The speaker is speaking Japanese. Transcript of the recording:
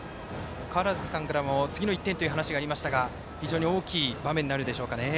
川原崎さんからも次の１点というお話がありましたが大きい場面になりますかね。